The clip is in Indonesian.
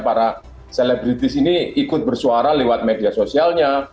para selebritis ini ikut bersuara lewat media sosialnya